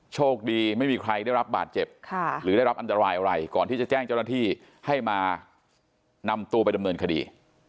โชคดีไม่มีใครได้รับบาดเจ็บหรือได้รับอันตรายอะไรก่อนที่จะแจ้งเจ้าหน้าที่ให้มานำตัวไปดำเนินคดี